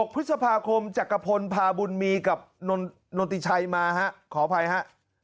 พฤษภาคมจักรพลพาบุญมีกับนนติชัยมาฮะขออภัยฮะ